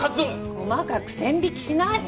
細かく線引きしない！